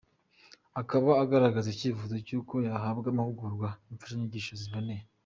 Akaba agaragaza icyifuzo cy’uko bahabwa amahugurwa n’imfashanyigisho ziboneye.